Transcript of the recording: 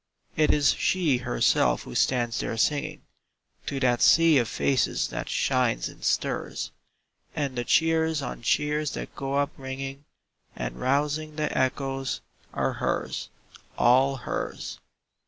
It is she herself who stands there singing To that sea of faces that shines and stirs; And the cheers on cheers that go up ringing And rousing the echoes are hers all hers.